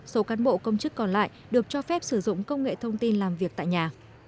số cán bộ công chức còn lại được cho phép sử dụng công nghệ thông tin làm việc tại nhà